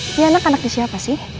ini anak anaknya siapa sih